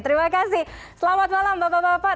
terima kasih selamat malam bapak bapak